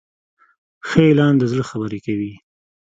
ښه اعلان د زړه خبرې کوي.